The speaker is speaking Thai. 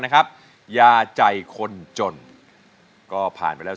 ขอบคุณครับ